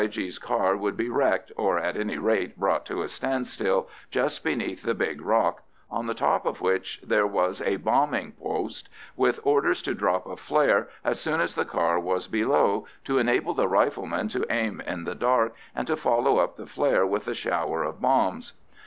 's car would be wrecked, or at any rate brought to a standstill, just beneath the big rock, on the top of which there was a bombing post, with orders to drop a flare as soon as the car was below, to enable the riflemen to aim in the dark, and to follow up the flare with a shower of bombs.